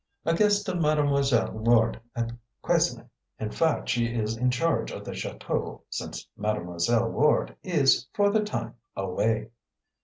"A guest of Mademoiselle Ward at Quesnay. In fact, she is in charge of the chateau, since Mademoiselle Ward is, for the time, away."